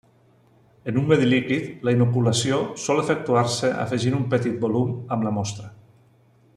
En un medi líquid la inoculació sol efectuar-se afegint un petit volum amb la mostra.